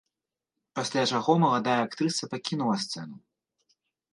Пасля чаго маладая актрыса пакінула сцэну.